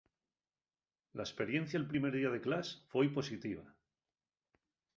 La esperiencia'l primer día de clas foi positiva.